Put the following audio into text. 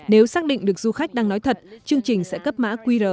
nếu khách đang nói thật chương trình sẽ cấp mã qr